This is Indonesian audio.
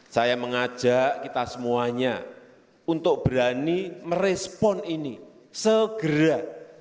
saya mengajak kita semuanya untuk berani merespon ini segera